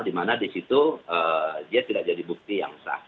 karena di situ dia tidak jadi bukti yang sah